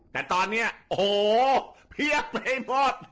แต่ตอนนี้โอ้โหเพียบไปหมด